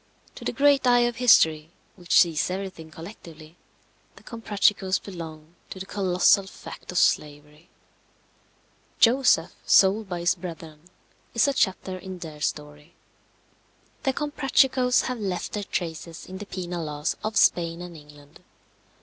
To the great eye of history, which sees everything collectively, the Comprachicos belong to the colossal fact of slavery. Joseph sold by his brethren is a chapter in their story. The Comprachicos have left their traces in the penal laws of Spain and England.